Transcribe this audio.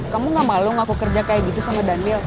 kamu gak malu ngaku kerja kayak gitu sama daniel